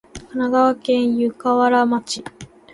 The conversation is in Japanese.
神奈川県湯河原町